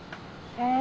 へえ。